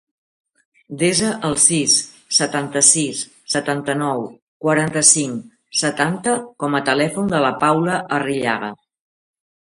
Desa el sis, setanta-sis, setanta-nou, quaranta-cinc, setanta com a telèfon de la Paula Arrillaga.